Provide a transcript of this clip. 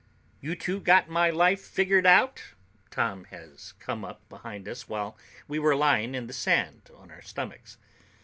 "You two got my life figured out?" Tom has come up behind us while we were lying in the sand on our stomachs.